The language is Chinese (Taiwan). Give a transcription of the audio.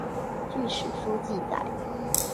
據史書記載